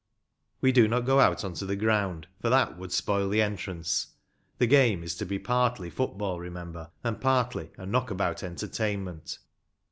We do not go out on to the ground, for that would spoil the "entrance." The game is to be partly football, remember, and partly a knockabout entertainment.